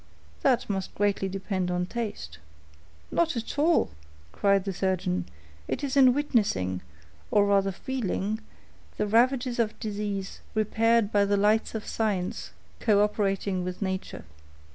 "That must greatly depend on taste." "Not at all," cried the surgeon; "it is in witnessing, or rather feeling, the ravages of disease repaired by the lights of science cooperating with nature.